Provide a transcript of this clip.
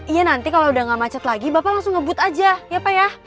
iya nanti kalau udah gak macet lagi bapak langsung ngebut aja ya pak ya